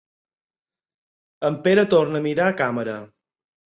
El Pere torna a mirar a càmera.